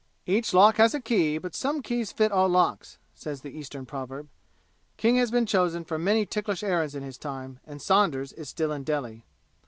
"Each lock has a key, but some keys fit all locks," says the Eastern proverb. King has been chosen for many ticklish errands in his time, and Saunders is still in Delhi.